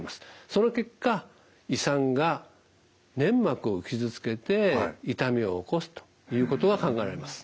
その結果胃酸が粘膜を傷つけて痛みを起こすということが考えられます。